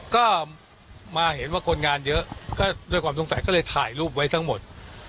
ก็มาเห็นว่าคนงานเยอะก็ด้วยความสงสัยก็เลยถ่ายรูปไว้ทั้งหมด